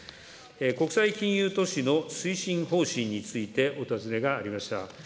国際金融都市の推進方針についてお尋ねがありました。